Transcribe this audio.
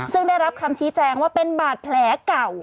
ซึ่งได้รับคำชี้แจงว่าเป็นบาดแผลเก่า